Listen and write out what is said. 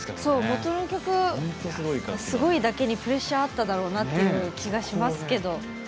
元の曲すごいだけにプレッシャーあったろうなって気がしますけど。